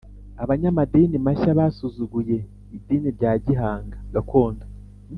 abanyamadini mashya basuzuguye idini rya gihanga (gakondo).